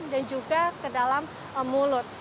dan juga ke dalam mulut